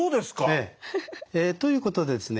ええ。ということでですね